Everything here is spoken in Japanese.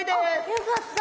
よかった！